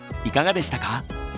いかがでしたか？